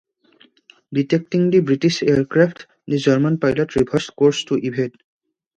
Detecting the British aircraft, the German pilot reversed course to evade.